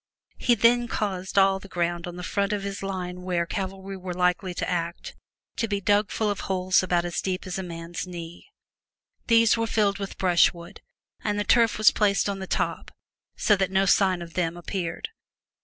He then caused all the ground on the front of his line where cavalry were likely to act to be dug full of holes about as deep as a man's knee. These were filled with brushwood, and the turf was replaced on the top so that no sign of them appeared.